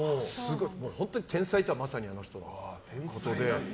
本当に天才とはまさにあの人のことで。